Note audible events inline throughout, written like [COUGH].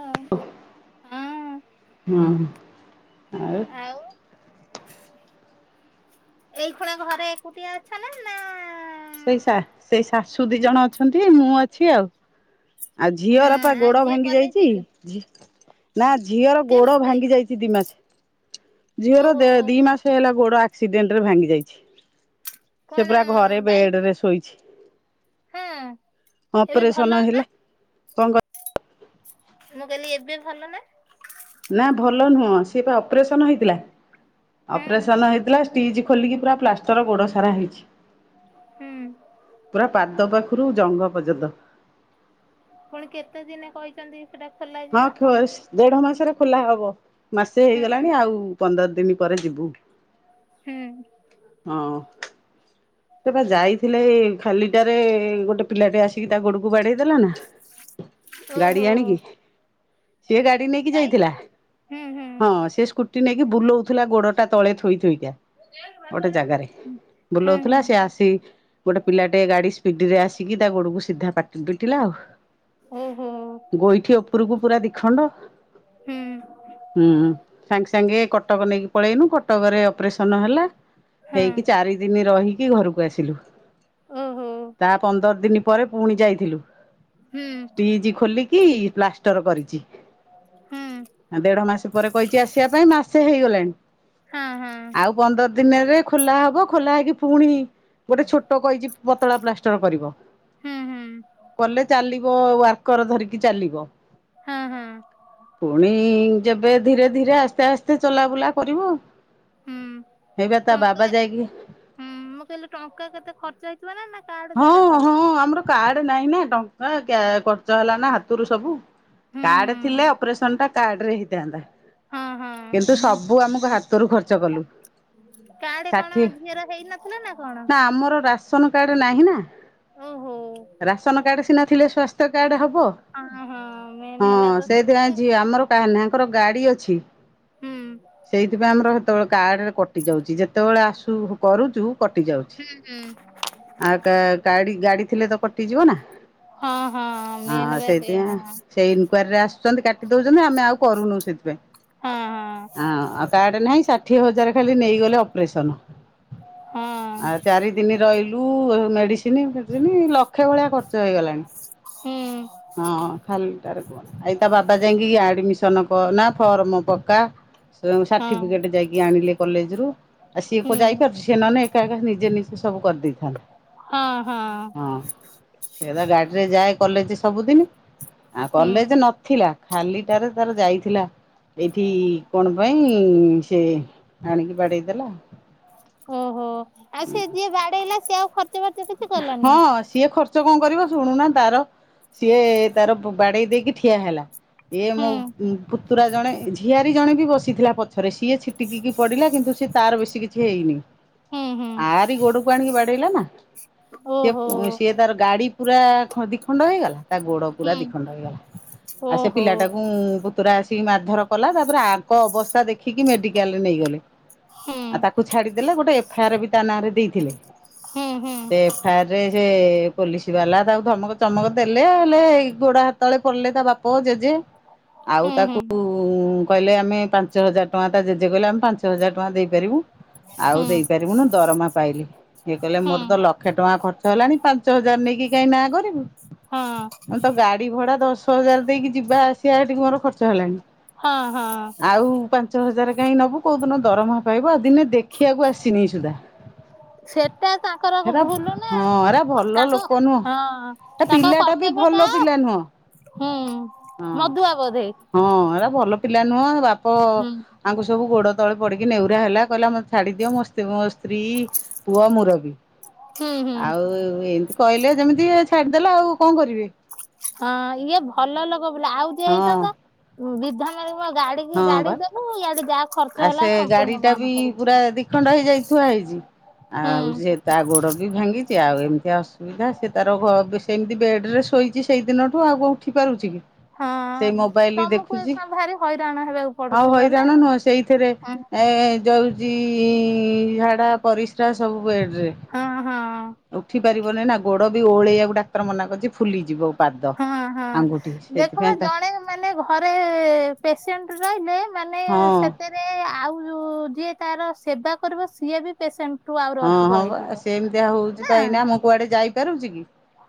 ଆଉ ଓହଃ, ହଁ ହଁ ଆଉ? ଏଇ ଖୁଣା ଘରେ ଏକୁଟିଆ ଅଛ ନା? ନା ସେଇ ଶା ସେଇ ଶାଶୁ ଦି ଜଣ ଅଛନ୍ତି, ମୁଁ ଅଛି ଆଉ। ଆଉ ହଁ ଝିଅର ପା ଆଉ ଗୋଡ ଝିଅ ଭାଙ୍ଗି କଲେଜ ଯାଇଚି, ଯାଇଛନ୍ତି ଝି ନା ଝିଅର ଗୋଡ କେମିତି ଭାଙ୍ଗି ଯାଇଛି ଦି ମାସେ। ଝିଅର ଓହୋ ଦେ ଦି ମାସେ ହେଲା ଗୋଡ ଆ ଆକ୍ସିଡେଣ୍ଟରେ ଭାଙ୍ଗି ଯାଇଛି। ସେ କଣ ପୁରା ଘରେ ବେଡ ବାଇକ୍ ରେ ଶୋଇଛି। ହଁ ଏବେ ଭଲ ଅପରେସନ ନା ହେଲା। କଣ କ ମୁଁ କହିଲି ଏବେ ଭଲ ନା? ନା ଭଲ ନୁହଁ, ସିଏ ପା ଅପରେସନ ହେଇଥିଲା। ହୁଁ ଅପରେସନ ହେଇଥିଲା ଷ୍ଟିଚ୍ ଖୋଲିକି ପୁରା ପ୍ଲାଷ୍ଟର ଗୋଡ ସାରା ହେଇଛି। ହୁଁ ପୁରା ପାଦ ପାଖରୁ ଜଙ୍ଘ ପର୍ଯ୍ୟନ୍ତ। ପୁଣି କେତେ ଦିନେ କହି ଛନ୍ତି ସେଟା ଖୋଲା ହଁ ଯିବ ଫୋସ୍‌ ଦେଢ ମାସରେ ଖୋଲା ହବ। ମାସେ ହୁଁ ହେଇଗଲାଣି ଆଉ ପନ୍ଦର ଦିନ ପରେ ଯିବୁ। ହୁଁ। ହଁ, ସେ ପା ଯାଇଥିଲେ ଖାଲିଟାରେ ଗୋଟେ ପିଲାଟେ ଆସି ସିକି ତା ଗୋଡକୁ ବାଡ଼େଇ ଦେଲା ନା, ଓହୋ ଗାଡି ଆଣିକି। ସିଏ ଗାଡି ନେଇକି ବାଇକ୍ ଯାଇଥିଲା। ହୁଁ ହୁଁ ହଁ ସେ ସ୍କୁଟ୍ ସ୍କୁଟି ନେଇକି ବୁଲଉଥିଲା ଗୋଡଟା ତଳେ ଥୋଇଥୋଇକା, ହୁଁ ଗୋଟେ ଜାଗାରେ। ବୁଲଉଥିଲା, ହୁଁ ସେ ଆସି ଗୋଟେ ପିଲାଟେ ଗାଡି ସ୍ପିଡିରେ ଆସିକି ତା ଗୋଡକୁ ସିଧା ପାଟ୍ ପିଟିଲା ଆଉ। ଓହୋ ଗୋଇଠି ଉପରକୁ ପୁରା ଦି ଖଣ୍ଡ। ହୁଁ ହୁଁ। ସାଙ୍ଗେ ସାଙ୍ଗେ କଟକ ନେଇକି ପଳେଇନୁ। କଟ- କଟକରେ ଅପରେସନ ହେଲା। ହେଇକି ହଁ ଚାରି ଦିନ ରହିକି ଘରକୁ ଆସିଲୁ। ଓହୋ ତା ପନ୍ଦର ଦିନି ପରେ ପୁଣି ଯାଇଥିଲୁ। ହୁଁ ଷ୍ଟିଜ ଖୋଲିକି ପ୍ଲାଷ୍ଟର କରିଛି। ହୁଁ ଆ ଦେଢ ମାସ ପରେ କହିଛି ଆସିଆ ପାଇଁ। ମାସେ ହେଇଗଲାଣି। ହଁ ହଁ ଆଉ ପନ୍ଦର ଦିନରେ ଖୋଲା ହବ। ଖୋଲା ହେଇକି ପୁଣି- ଗୋଟେ ଛୋଟ କହିଚି ପତଳା ପ୍ଲାଷ୍ଟର କରିବ। ହୁଁ ହୁଁ କଲେ ଚାଲିବ। ୱାର୍କର ଧରିକି ଚାଲିବ। ହଁ ହଁ। ପୁଣି ଯେବେ ଧୀରେ ଧୀରେ ଆସ୍ତେ ଆସ୍ତେ ଚଲାବୁଲା କରିବ। ହୁଁ ହେଇବା ତା ବାବା ଟଙ୍କା ଯାଇକି ହୁଁ ମୁଁ କହିଲି ଟଙ୍କା କେତେ ଖର୍ଚ୍ଚ ହେଇଥିବ ନା କାର୍ଡ ହଁ ଦ୍ଵାରା ହଁ କଲେ। ଆମର କାର୍ଡ ନାହିଁ ନା ଟଙ୍କା ଖର୍ଚ୍ଚ ହେଲା ନା ହାତରୁ ସବୁ ହୁଁ କାର୍ଡ ହୁଁ ଥିଲେ ଅପରେସନଟା କାର୍ଡରେ ହେଇଥାନ୍ତା ହଁ ହଁ କିନ୍ତୁ ସବୁ ଆମକୁ ହାତରୁ ଖର୍ଚ୍ଚ କଲୁ କାର୍ଡ଼ କଣ ଷାଠିଏ ଝିଅର ହେଇନଥିଲା ନା କଣ? ରାସନ କାର୍ଡ଼ ନାହିଁ ନା ଓହୋ ରାସନ କାର୍ଡ଼ ସିନା ଥିଲେ ସ୍ୱାସ୍ଥ୍ୟ କାର୍ଡ଼ ହେବ। ହବ ହଁ ହଁ ମେନ୍ ହେଲା ହଁ ତ ସେଇଆ ଆଉ ସେଥିପାଇଁ ଆମର କାହାରନାହିଁ ଆଙ୍କର ଗାଡି ଅଛି ହ ହୁଁ। [UNINTELLIGIBLE] ସେଇଥିପାଇଁ ଆମର ହେତେବେଳେ କାର୍ଡରେ କଟି ଯାଉଛି ଯେତେବେଳେ ଆସୁ କରୁଛୁ କଟି ଯାଉଛି। ହୁଁ ହୁଁ। ଆଉ କାଗାଡି ଗାଡି ଥିଲେ ତ କଟିଯିବ ନା ହଁ ହଁ ମେନ୍ ହଁ ବା ସେଇଆ ସେଇଥିାଇଁ ହଁ। ସେଇ ଇନକ୍ୱାରୀରେ ଆସୁଛନ୍ତି କାଟି ଦଉଛନ୍ତି ଆମେ ଆଉ କରୁନୁ ସେଥିପାଇଁଁ ହଁ ହଁ କାର୍ଡ଼ ନାହିଁ ଷାଠିଏ ହଜାର ଖାଲି ନେଇଗଲେ ଅପରେସନ୍ ହଁ ଆଉ ଚାରି ତିନିଦିନ ରହିଲୁ ମେଡିସିନି ଫେଡିସିନି ଲକ୍ଷେ ଭଳିଆ ଖର୍ଚ୍ଚ ହେଇଗଲାଣି ହୁଁ ହଁ ଖାଲିଟାରେ କୁହନା ତା ବାବା ଯାଇକି ଆଡିମିସ ସନ କରନା ଫର୍ମ ପକ୍କା ହଁ ସାର୍ଟିଫିକେଟ୍ ଯାଇକି ଆଣିଲେ କଲେଜରୁ। ସିଏ ହୁଁ। କୋଉଯାଇପାରୁଛି ସେ ନହଲେ ଏକା ଏକା ନିଜେ ନିଜେ ସବୁ କରିଦେଇଥାନ୍ତା। ହଁ ହଁ। ହଁ ସେ ତ ଗାଡ଼ିରେ ଯାଏ କଲେଜ ସବୁଦିନ ଆଉ ହୁଁ କଲେଜ ନ ଥିଲା ଖାଲିଟାରେ ତାର ଯାଇଥିଲା ଏଇଠି କଣ ପାଇଁ ସେ ଆଣିକି ବାଡେଇଦେଲା। ଓହୋ ଆଉ ସେ ଯିଏ ବାଡେଇଲା ସେଏ ଆଉ ଖଚ ହଁ ସିଏ ଖର୍ଚ୍ଚ କଣ କରିବ ଶୁଣୁନ ତାର ସିଏ ତାର ବାଡ଼େଇ ଦେଇକି ଠିଆ ହେଲା ଇଏ ମୋ ହୁଁ ପୁତୁରା ଜଣେ ଝିଆରୀ ଜଣେ ବି ବସିଥିଲା ପଛରେ ସିଏ ଛିଟିକିକି ପଡିଲା କିନ୍ତୁ ସିଏ ତାର ବେଶୀ କିଛି ହେଇନି। ହୁଁ ହୁଁ। ଆରି ଗୋଡକୁ ଆଣିକି ବାଡ଼େଇଲା ନା? ଓହୋ ସିଏ ସିଏ ତାର ଗାଡି ପୁରା ଦି ଖଣ୍ଡ ହେଇଗଲା। ତା ଗୋଡ ପୁରା ଓହୋ। ଦିଖଣ୍ଡ ହେଇଗଲା ଆଉ ସେ ପିଲାଟାକୁ ପୁତୁ ଆସିକି ମାରଧରକଲା ତାପରେ ଆଙ୍କ ଅବସ୍ଥା ଦେଖିକି ମେଡିକାଲ ନେଇଗଲେ। ହଁ ତାକୁ ଛାଡିଦେଲେ ଗୋଟେ ଏଫେଆରବି ତା ନାଁରେ ଦେଇଥିଲେ। ହୁଁ ହୁଁ। ଏଫେଆରରେ ସେ ପୋଲିସ ବାଲା ତାକୁ ଧମକ ଚମକ ଦେଲେ ହେଲେ ଏ ଗୋଡ ହାତ ତଳେ ପଡ଼ିଲେ ତା ବାପ ଜେଜେ ଆଉ ତାକୁ ଉଁ କହିଲେ ଆମେ ପାଞ୍ଚ ହଜାର ଟଙ୍କା ତା ଜେଜେ କହିଲେ ଆମେ ପାଞ୍ଚ ହଜାର ଟଙ୍କା ଦେଇପାରିବୁ। ଆଉ ଦେଇପାରିବୁନୁ ଦରମା ପାଇଲେ। ଇଏ କହିଲେ ମୋର ତ ଲକ୍ଷେ ଟଙ୍କା ଖର୍ଚ୍ଚ ହେଲାଣି ପାଞ୍ଚ ହଜାର ନେଇକି କହିକିନାଁ କରିବୁ। ମୁଁ ତ ଗାଡି ଭଡା ଦଶ ହଜାର ଦେଇକି ଯିବା ଆସିବା ମୋର ଖର୍ଚ୍ଚ ହେଲାଣି ହଁ ହଁ। ଆଉ ପାଞ୍ଚ ହଜାର କାହିଁ ନେବୁ କେଉଁଦିନ ଦରମା ପାଇବ ଦିନେ ଦେଖିବାକୁ ଆସିନି ସୁଦ୍ଧା। ସେଟା ତାଙ୍କର ହେରା ଭୁଲ ନା ହଁ ହେରା ଭଲ ତାଙ୍କ ଲୋକ ନୁହଁ। ହଁ ତା ତାଙ୍କ ପିଲାଟା କର୍ତ୍ତ ବି ଭଲ ପିଲା ନୁହଁ। ହୁଁ ହଁ ମଦୁଆ ବୋଧେ। ହଁ ଏରା ଭଲ ପିଲା ନୁହଁ। ବାପ ହୁଁ ଆଙ୍କୁ ସବୁ ଗୋଡ ତଳେ ପଡିକି ନେହୁରା ହେଲା କହିଲା ମୋତେ ଛାଡ଼ିଦିଅ ମୋ ସ୍ତ ମୋ ସ୍ତ୍ରୀ ପୁଅ ମୁରବି। ହୁଁ ହୁଁ ଆଉ ଏମତି କହିଲେ ଯେମିତି ଇଏ ଛାଡିଦେଲା ଆଉ କଣ କରିବେ। ହଁ ଇଏ ଭଲ ଲୋକ ବୋଲି ଆଉ ଯିଏ ହଁ ହେଇଥାନ୍ତା ବିଧା ମାରି ମୋ ଗାଡି ହଁ ବା ଗାଡି ଦେବୁ ଇଆଡେ ଯାହା ଖର୍ଚ୍ଚ ହେଲା ସମ୍ପୂର୍ଣ୍ଣ ବହନ କରିବୁ। ଖଣ୍ଡ ହେଇଯାଇ ଥୁଆ ହେଇଛି। ହୁଁ ଆଉ ସିଏ ତା ଗୋଡ ବି ଭାଙ୍ଗିଛି ଆଉ ଏମିତି ଆ ସୁବିଧା ସେ ତାର ଘ ସେମିତି ବେଡରେ ଶୋଇଛି ସେଇ ଦିନଠୁ ଆଉ କଣ ଉଠି ପାରୁଛି କି। ହଁ ସେଇ ମୋବାଇଲ ତମକୁ ଦେଖୁଛି ଏଇଖୁଣା ଭାରି ହଇରାଣ ହେବାକୁ ଆଉ ପଡୁଥିବ ନା ହଇରାଣ ନୁହଁ ସେଇଥିରେ ହଁ ଏ ଯୋଉ ଚି ଝାଡ଼ା ପରିସ୍ରା ସବୁ ବେଡ଼ରେ। ହଁ ହଁ। ଉଠି ପାରିବନି ନା ଗୋଡ ବି ଓହଳେଇବାକୁ ଡାକ୍ତର ମନା କରିଛି ଫୁଲିଯିବ। ପାଦ। ହଁ ହଁ ଆଙ୍ଗୁଠି ଦେଖିନ ସେଇଥିପାଇଁ ତା ଜଣେ ମାନେ ଘରେ ପେସେଣ୍ଟ ରହିଲେ ମାନେ ହଁ ସେତେ ଆଉ ଯିଏ ତାର ସେବା କରିବ ସିଏ ବି ପେସେଣ୍ଟ ହଁ ହଁ ପା ସେମିତିଆ ହୋଉଛି ନା ପା ଏନା। ମୁଁ କୁଆଡେ ଯାଇପାରୁଛି କି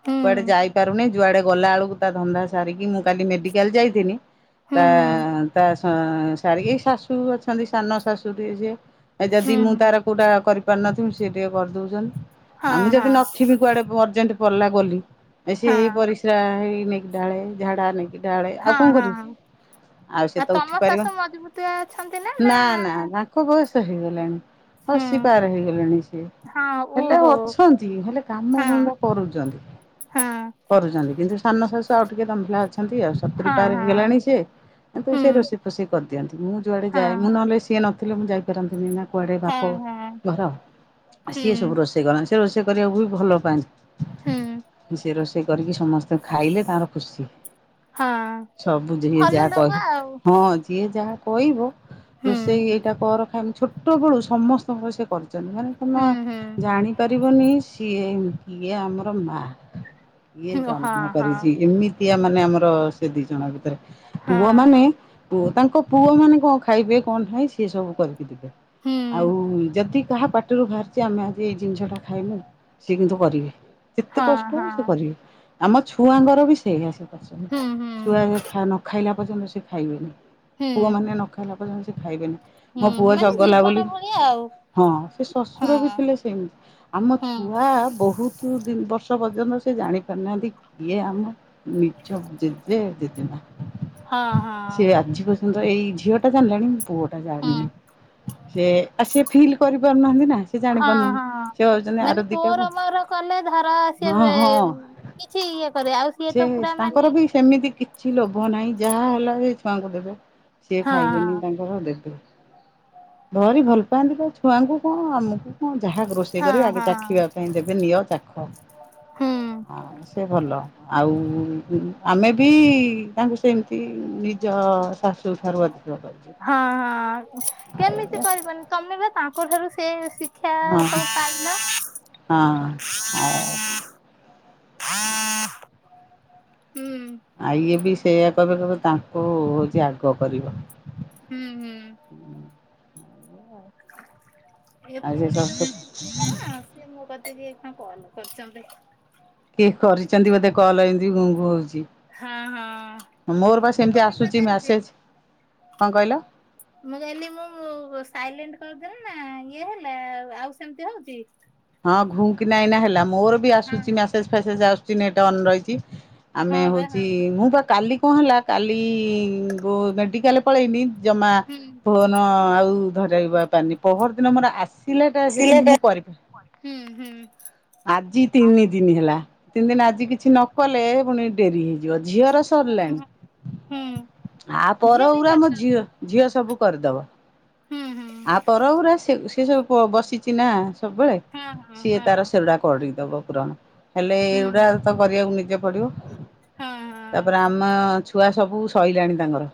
ହୁଁ କୁଆଡେ ଯାଇପାରୁନି। ଯୁଆଡ଼େ ଗଲା ବେଳକୁ ତା ଧନ୍ଦା ସାରିକି ମୁଁ କାଲି ମେଡିକାଲ ଯାଇଥିଲି ହୁଁ ତା ହୁଁ ତା ହଁ ସାରିକି ଏ ଶାଶୁ ଅଛନ୍ତି ସାନ ଶାଶୁଟିଏ ଯିଏ। ହୁଁ ଯଦି ମୁଁ ହୁଁ ତାର କୋଉଟା କରି କରି ପାରିନଥିବ ସେ ଟିକେ କରିଦଉଛନ୍ତି ଆଉ ହଁ ମୁଁ ଯଦି ହଁ ନଥିବି କୁଆଡେ ଅର୍ଜେଣ୍ଟ ପଡ଼ିଲା ଗଲି ଏ ସେ ହେଇ ହଁ। ପରିସ୍ରା ହେଇ ନେଇକି ଢାଳେ ଝାଡା ନେଇକି ଢାଳେ ଆଉ ହଁ କଣ ହଁ କରିବି। ହଁ ଆଉ ସେ ତ ଉଠି ତମ ପାରିବ ଶାଶୁ ମଜବୁତିଆ ଅଛନ୍ତି ନା ନା ନାଙ୍କ ବୟସ ହେଇଗଲାଣି। ହୁଁ ଅଶୀ ପାର ହେଇଗଲେଣି ସିଏ ହଁ ହେଲେ ଓହୋ ଅଛନ୍ତି ହେଲେ କାମ ହଁ କଣଟା କରୁଛନ୍ତି। ହଁ କରୁଛନ୍ତି କିନ୍ତୁ ସାନ ଶାଶୁ ଆଉ ଟିକେ ଦମ୍ଭିଲା ଅଛନ୍ତି ଆଉ ହଁ ସତୁରି ପାର୍ ହଁ ହେଇଗଲାଣି ସେ। କିନ୍ତୁ ହୁଁ ସେ ରୋଷେଇ ଫୋଷେଇ କରିଦିଅନ୍ତି। ମୁଁ ଯୁଆଡ଼େ ହଁ ଯାଏ ମୁଁ ନହଲେ ସିଏ ନଥିଲେ ମୁଁ ଯାଇପାରନ୍ତିନି ନା କୁଆଡ଼େ ହଁ ବାପଘ୍ ହଁ ଘର ସିଏ ହୁଁ ସବୁ ରୋଷେଇ କରନ୍ତି ସେ ରୋଷେଇ କରିବାକୁ ବି ଭଲ ହୁଁ ପାଆନ୍ତି। ସେ ରୋଷେଇ କରିକି ସମସ୍ତେ ଖାଇଲେ ତାଙ୍କର ଖୁସି। ହଁ ସବୁ ଯିଏ ଭଲ ଯାହା ଲୋକ କହ ଆଉ ହଁ। ଯିଏ ଯାହା କହିବ ହୁଁ। ରୋଷେଇ ଏଇଟା କର ଖାଇମି ଛୋଟବେଳୁ ସମସ୍ତଙ୍କ ସେ କରିଛନ୍ତି ମାନେ ତମ ଜାଣିପାରିବନି ସିଏ ଇଏ ଆମର ମା। ଇଏ ଜନ୍ମ କରିଛି ଏମିତିଆ ମାନେ ଆମର ସେ ଦି ଜଣଙ୍କ ଭିତରେ। ପୁଅ ମାନେ ତାଙ୍କ ପୁଅ ମାନେ କଣ ଖାଇବେ କଣ ନାହିଁ ସିଏ ସବୁ କରିବେ। ଆଉ ହୁଁ, ଯେତିକି କାହା ପାଟିରୁ ବାହାରିଛି ଆମେ ଆଜି ଏଇ ଜିନିଷଟା ଖାଇମୁ ସିଏ କିନ୍ତୁ କରିବେ। ଯେତେ ହଁ, କଷ୍ଟ ହଉ ସେ ହଁ, କରିବେ। ଆମ ଛୁଆଙ୍କର ବି ସେଇଆ ସପସନି। ହୁଁ, ହୁଁ, ଛୁଆ ନ ଖାଇଲା ପର୍ଯ୍ୟନ୍ତ ସେ ଖାଇବେନି ପୁଅ ହୁଁ, ମାନେ ନ ଖାଇଲା ପର୍ଯ୍ୟନ୍ତ ସେ ଖାଇବେନି। ମୋ ପୁଅ ଚଗଲା ବୋଲି ଏ ଆଉ। ହଁ ସେ ଶଶୁର ହଁ, ବି ଥିଲେ ସେମିତି ଆମ ହୁଁ, ଛୁଆ ବହୁତ ଦୁଇ ତିନି ବର୍ଷ ପର୍ଯ୍ୟନ୍ତ ସେ ଜାଣି ପାରନାହାନ୍ତି କିଏ ଆମେ। ନିଜ ଜେଜେ ଜେଜେମା। ହଁ, ହଁ, ସେ ଆଜି ପର୍ଯ୍ୟନ୍ତ ଏଇ ଝିଅ ଟା ଜାଣିଲେଣି ପୁଅଟା ହୁଁ, ଜାଣିନି ଯେ ଆସେ ଫିଲ୍ କରି ପାରୁନାହାନ୍ତି ନା ସେ ଜାଣି ହଁ, ପାରୁନାହାନ୍ତି ହଁ। ସେ ହଉଛନ୍ତି ଆର ଦିଟା ବସ ସେ କିଛି ଇଏ କରେ ଆଉ ସିଏ ସେ ତ ପୁରା ତାଙ୍କର ମାନେ ବି ସେମିତି କିଛି ଲୋଭ ନାହିଁ ଯାହା ହେଲା ସେ ଛୁଆଙ୍କୁ ଦେବେ ସିଏ ହଁ, ଖାଇବେନି ତାଙ୍କ ଦେବେ ଧରି ଭଲ ପାଆନ୍ତି ତ ଛୁଆଙ୍କୁ କଣ ଆମକୁ କଣ ଯାହା ଗୋଷ ରୋଷେଇ ହଁ, କର ହଁ, ଆଗେ ହଁ, ଚାଖିବା ପାଇଁ ଦେବେ ନିଅ ଚାଖ ହୁଁ, ଆ ସେ ଭଲ। ଆଉ ଆମେ ବି ତାଙ୍କୁ ସେମିତି ନିଜ ଶାଶୁଠାରୁ ଅଧିକ କରି ହଁ ହଁ କେମିତି କରିବନି ତମେ ବା ତାଙ୍କ ଠାରୁ ସେ ଶିକ୍ଷା ସବୁ ପାଇଲ। ହଁ ଆ ହୁଁ। ଆ ଇଏ ବି ସେଇୟା କହବେ କିବ ତାଙ୍କୁ ହଉଛି ଆଗ କରିବ ହୁଁ ହୁଁ। ଏ ଆଉ ସେ ପୁରୀରୁ ଶାଶୁ ମାନେ ଝିଏ ନା ସିଏ ମୋ କତିକି ଏଇକା କଲ କରିଛନ୍ତି। କିଏ କରିଚନ୍ତି ବୋଧେ କଲ ଏନ୍ତି ଘୁଁ ଘୁଁ ହଉଚି। ହଁ ହଁ ମୋର ବା ସେମିତି ଏପର୍ଯ୍ୟନ୍ତ ଆସୁଚି ଚାଲିଛି? ମ୍ୟାସେଜ୍ କଣ କହିଲ। ମୁଁ କହିଲି ମୁଁ ସାଇଲେଣ୍ଟ୍ କରିଦେଲି ନା ଇଏ ହେଲେ ଆଉ ସେମିତି ହଉଚି? ହଁ ଘୁଁ କିନା ଏଇନା ହେଲା ମୋର ବି ହଁ ଆସୁଚି ମ୍ୟାସେଜ୍ ଫ୍ୟାସେଜ୍ ଆସୁଚି ନେଟ୍ ଅନ୍ ରହିଚି। ହଁ ଆମେ ବା ହଁ ହଉଚି ମୁଁ ବା କାଲି କଣ ହେଲା କାଲି ମେଡିକାଲ ପଳେଇଲି। ଜମା ହୁଁ। ଫୋନ୍ ଆଉ ଧରେଇବା ପାନି ପହର ଦିନ ମୋର ଆସି ପିଲାଟା ଅଛି କିନ୍ତୁ ମୁଁ କରି ପାରୁନି ହୁଁ ହୁଁ। ଆଜି ତିନି ଦିନି ହେଲା ତିନି ଦିନି ଆଜି କିଛି ନ କଲେ ପୁଣି ଡେରି ହେଇଯିବ ଝିଅର ହୁଁ ସରିଲାଣି। ଆ ଝିଅ ପର ବି ଗୁରା ମୋ କରୁଛନ୍ତି। ଝିଅ ଝିଅ ସବୁ କରିଦବ ହୁଁ ହୁଁ ଆ ପର ଗୁରା ସେ ସେ ସବୁ ବସିଚି ନା ସବୁବେଳେ। ହଁ ହଁ ସିଏ ହଁ ତାର ସେଗୁଡା କରିଦବ ପୁରଣ। ହେଲେ ହୁଁ ଏଗୁଡ଼ା ତ କରିବାକୁ ନିଜେ ପଡ଼ିବ ହଁ ହଁ। ତାପରେ ଆମେ ମା ଛୁଆ ସବୁ ସଇଲାଣି ତାଙ୍କର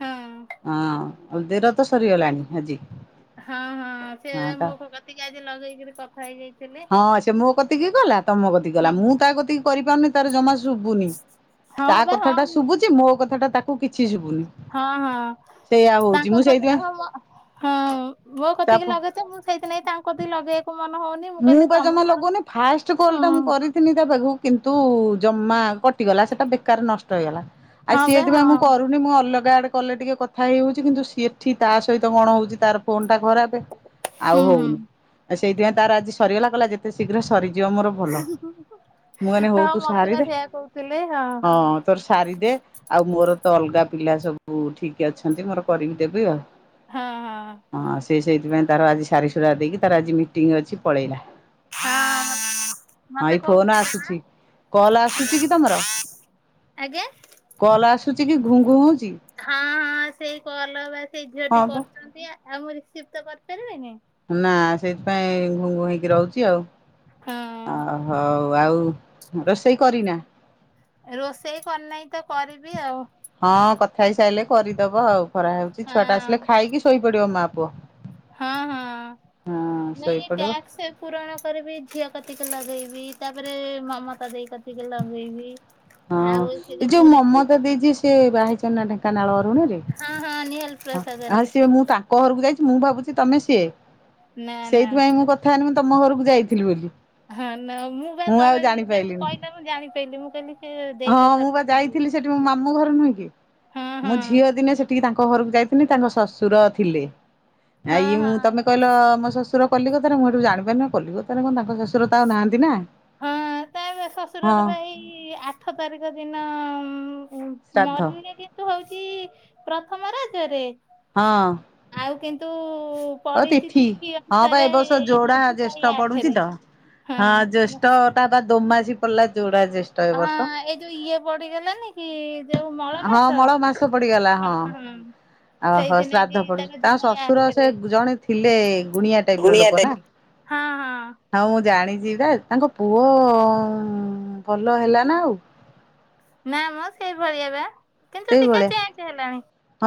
ହଁ ହଁ। ଅଲି ଦେଇର ତ ସରିଗଲାଣି ଆଜି। ହଁ ହଁ ସେ ମୋ କତିକି ଆଜି ଲଗେଇକିରି କଥା ହେଇଯାଇଥିଲେ। ହଁ ସେ ମୋ କତିକି କଲା ତମ କତିକି କଲା ମୁଁ ତା କତିକି କରିପାରୁନି। ତାର ଜମା ଶୁବୁନି ହଁ ତା ବା କଥା ହଁ ଟା ଶୁବୁଚି ମୋ କଥା ଟା ତାକୁ କିଛି ଶୁବୁନି। ହଁ ହଁ ତାଙ୍କ କଥା ସେଇଥିପାଇଁ ହଁ ମ ହୁଁ ମୋ ତା କତିକି ଫୋ ଲଗେ ତ ମୁଁ ସେଇଥିନାଗି ତାଙ୍କ କତିକି ଲଗେଇ ମନ ହଉନି। ମୁଁ କହିଲି ପା ତମ ଜମା ମୋର ଲଗଉନି ଫାଷ୍ଟ୍ କଲ୍ ହଁ ଟା ମୁଁ କରି ଥିଲି ତା ପାଖୁ କିନ୍ତୁ ଜମା କଟିଗଲା ସେଟା ବେକାର୍ ରେ ନଷ୍ଟ ହେଇଗଲା। ଆ ହଁ ବେ ସେଇଥି ହଁ ପାଇଁ ମୁଁ କରୁନି ମୁଁ ଅଲଗା ଆଡେ କଲେ ଟିକେ କଥା ହେଇ ହଉଚି କିନ୍ତୁ ସେଠି ତା ସହିତ କଣ ହଉଚି ତାର ଫୋନ୍ ଟା ଖରାପେ ଆଉ ହୁଁ ହୁଁ ହଉନି। ଆ ସେଇଥିପାଇଁ ତାର ଆଜି ସରିଗଲା କହିଲା ଯେତେ ଶୀଘ୍ର ସରି ଯିବ ମୋର ଭଲ। ମୁଁ କହିଲି ହଉ ହଁ ତୁ ମତେ ସାରି ବା ଦେ ସେଇଆ କହୁଥିଲେ ହଁ ତର ସାରି ଦେ ଆଉ ମୋର ତ ଅଲଗା ପିଲା ସବୁ ଠିକ୍ ଅଛନ୍ତି ମୋର କରିକି ଦେବି ଆଉ। ହଁ ହଁ। ହଁ ସେ ସେଇଥିପାଇଁ ତାର ଆଜି ସାରି ସୁରା ଦେଇକି ତାର ଆଜି ମିଟିଂ ଅଛି ପଳେଇଲା। ହଁ ହଁ ମତେ ଏଇ ଫୋନ୍ କହୁଥିଲେ ନା ଆସୁଚି। କଲ୍ ଆସୁଚି କି ତମର? ଆଜ୍ଞା କଲ୍ ଆସୁଚି କି ଘୁଁ ଘୁଁ ହଉଚି? ହଁ ହଁ ସେଇ କଲ୍ ବା ସେଇ ଝିଅଟି ହଁ ବା କରୁଚନ୍ତି। ଆଉ ମୁଁ ରିସିଭ ତ କରିପାରିବିନି? ନା ସେଇଥିପାଇଁ ଘୁଁ ଘୁଁ ହେଇକି ରହୁଚି ଆଉ। ହଁ ଓହୋ। ଆଉ ରୋଷେଇ କରିନା? ରୋଷେଇ କରିନେଇ ତ କରିବି ଆଉ। ହଁ କଥା ହେଇସାଇଲେ କରିଦବ ଆଉ। ଖରା ହେଉଚି ହଁ ଛୁଆ ଟା ଆସିଲେ ଖାଇକି ଶୋଇପଡିବ ମା ପୁଅ। ହଁ ହଁ। ହଁ ନାଇଁ ଏ ଶୋଇପଡ଼ିବ ଟ୍ୟାକ୍ସ୍ ପୁରଣ କରିବି ଝିଅ କତିକି ଲଗେଇବି ତାପରେ ମମତା ଦେଇ କତିକି ଲଗେଇବି। ହଁ। ଆଉ ସେ ଏ ଯୋଉ ଯଉ ପୁରୀ ଝିଅ- ମମତା ଦେଇ ଯିଏ ସେ ବାହା ହେଇଚନ୍ତି ନା ଢେଙ୍କାନାଳ ଅରୁଣ ହଁ ହଁ ନିହାଲ [UNINTELLIGIBLE] ପ୍ରସାଦରେ। ହଁ ସିଏ ମୁଁ ତା ତାଙ୍କ ଘରକୁ ଯାଇଚି ମୁଁ ଭାବୁଚି ତମେ ସିଏ। ନା ନା ସେଇଥିପାଇଁ ମୁଁ କ ଥା ହେଇନି ମୁଁ ତମ ଘରକୁ ଯାଇଥିଲି ବୋଲି। ହଁ ନା ମୁଁ ବା ଆଉ ତମେ ଇଏ ଯେମିତି ଜାଣିପାରିଲିନି କହିଲ ମୁଁ ଜାଣିପାଇଲି ମୁଁ କହିଲି ସେ ଦେଇ ହଁ କଥା ମୁଁ ବା କହୁଛନ୍ତି। ଯାଇଥିଲି ସେଠି ମୋ ମାମୁଁ ଘରେ ନୁହେଁ କି। ହଁ ମୋ ହଁ ଝିଅ ଦିନେ ସେଠିକି ତା ତାଙ୍କ ଘରକୁ ଯାଇଥିଲି ତାଙ୍କ ଶଶୁର ଥିଲେ। ଆ ହଁ ଇଏ ମୁଁ ତମେ ହଁ କହିଲ ମୋ ଶଶୁ ର କଲିକତାରେ ମୁଁ ହେଠୁ ଜାଣିପାରିଲି କଲିକତା ରେ କଣ ତାଙ୍କ ଶଶୁ ହଁ ତା ଶଶୁରର ହଁ ପା ଏଇ ଆ ଆଠ ତାରିଖ ଦିନ। ଶ୍ରାଦ୍ଧ [UNINTELLIGIBLE] ହଉଚି ପ୍ରଥମ ରଜରେ। ହଁ। ଆଉ କିନ୍ତୁ ଓ ପଡିଚି ତିଥି ହଁ ବା ଏ ଅନୁସାରେ ବର୍ଷ ଯୋଡା ଜ୍ୟେଷ୍ଠ ଜୁଲାଇ ପଡୁଛି ତ। ଆଠରେ। ହଁ ଜ୍ୟେଷ୍ଠ ଟା ବା ଦୋମାସୀ ପଡିଲା ଯୋଡା ଜ୍ୟେ ହଁ ଏଇ ଯୋଉ ଇଏ ପଡିଗଲାନି। କି ଯୋଉ ମଳ ହଁ ମାସ ମଳ ମାସ ପଡିଗଲା ହଁ। ଓହୋ। ସେଇଥିନାଗି ଶ୍ରାଦ୍ଧ ପଡୁଚି। ତାର ତାଙ୍କ ଜୁଲାଇ ଶଶୁର ସେ ଆଠରେ। ଜଣେ ଥିଲେ ଗୁଣିଆ ଟାଇପ ର ଲୋକ ନା। ହଁ ହଁ। ହଁ ମୁଁ ଜାଣିଚି ପା। ତାଙ୍କ ପୁଅ ଭଲ ହେଲା ନା ଆଉ? ନା ମ ସେଇ ଭଳିଆ ବା। କିନ୍ତୁ ଟିକେ ସେଇଭଳିଆ। ଚେଞ୍ଜ ହେଲାଣି। ହଁ